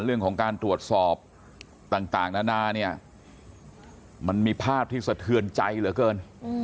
เรื่องของการตรวจสอบต่างนานาเนี่ยมันมีภาพที่สะเทือนใจเหลือเกิน